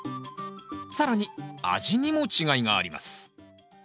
更に味にも違いがあります